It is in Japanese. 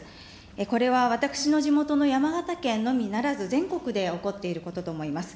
これは私の地元の山形県のみならず、全国で起こっていることと思います。